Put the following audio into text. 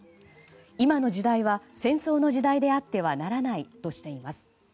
今の時代は戦争の時代であってはならないとしています。